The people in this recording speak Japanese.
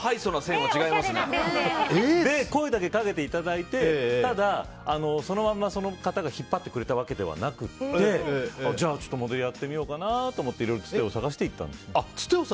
声だけかけていただいてただ、そのまま、その方が引っ張ってくれたわけではなくてちょっとモデルやってみようかなと思っていろいろ、つてを探していったんです。